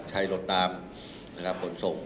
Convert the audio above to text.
ใช้ลดน้ำนะครับผลส่ง